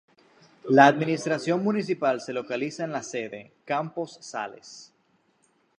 La administración municipal se localiza en la sede: Campos Sales.